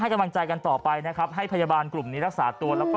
กำลังใจกันต่อไปนะครับให้พยาบาลกลุ่มนี้รักษาตัวแล้วก็